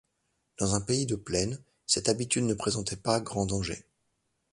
Dans un pays de plaine, cette habitude ne présentait pas grand danger.